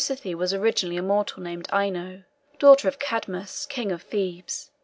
Leucothea was originally a mortal named Ino, daughter of Cadmus, king of Thebes.